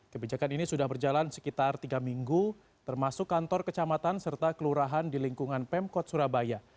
kebijakan ini sudah berjalan sekitar tiga minggu termasuk kantor kecamatan serta kelurahan di lingkungan pemkot surabaya